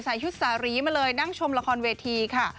ใส่ชุดสารีมาเลยนั่งชมละครเวทีค่ะ